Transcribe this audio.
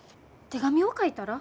手紙を書いたら？